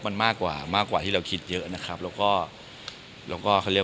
มันจะฝากอะไรกับคนที่เขายังไม่เข้าใจ